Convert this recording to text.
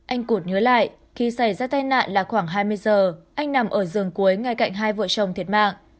anh cụt nhớ lại khi xảy ra tai nạn là khoảng hai mươi giờ anh nằm ở giường cuối ngay cạnh hai vợ chồng thiệt mạng